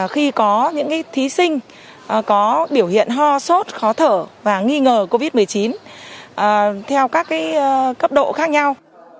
khi có những thí sinh có biểu hiện ho sốt khó thở và nghi ngờ covid một mươi chín theo các cấp độ khác nhau